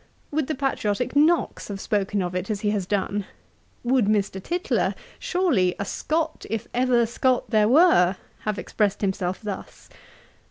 Would the patriotick Knox have spoken of it as he has done? Would Mr. Tytler, surely ' a Scot, if ever Scot there were,' have expressed himself thus?